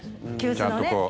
ちゃんと、こう。